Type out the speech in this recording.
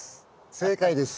正解です。